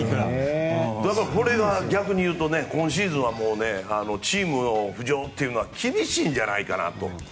これは逆に言うと今シーズンはチームの浮上は厳しいんじゃないかなと。